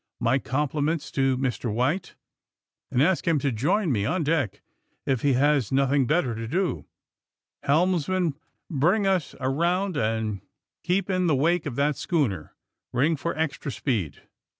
'My compliments to Mr. White, and ask him << 220 THE SUBMARINE BOYS to join me on deck if lie lias nothing better to do. Helmsman, bring ns around and keep in the wake of that schooner. Eing for extra speed."